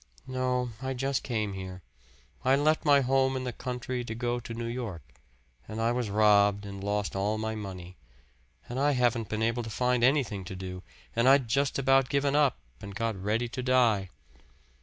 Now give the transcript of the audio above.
"No, I just came here. I left my home in the country to go to New York, and I was robbed and lost all my money. And I haven't been able to find anything to do, and I'd just about given up and got ready to die."